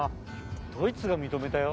「ドイツが認めた」よ？